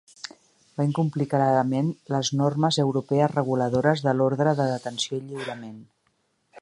Va incomplir clarament les normes europees reguladores de l’ordre de detenció i lliurament.